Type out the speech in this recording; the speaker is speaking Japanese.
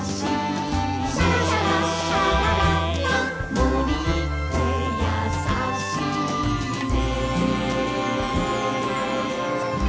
「シャラシャラシャラララ森ってやさしいね」